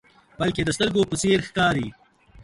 بلکې د سترګو په څیر ښکاري.